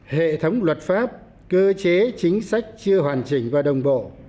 hệ thống luật pháp cơ chế chính sách chưa hoàn chỉnh và đồng bộ